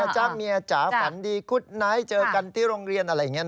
จ้าเมียจ๋าฝันดีคุดไนท์เจอกันที่โรงเรียนอะไรอย่างนี้